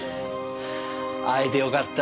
会えてよかった。